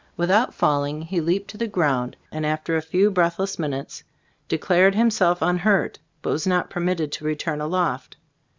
Without falling he leaped to the ground, and after a few breathless minutes de clared himself unhurt, but was not permitted to return aloft.